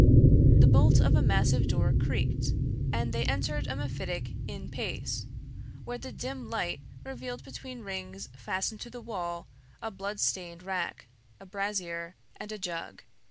The bolt of a massive door creaked, and they entered a mephitic in pace, where the dim light revealed between rings fastened to the wall a bloodstained rack, a brazier, and a jug.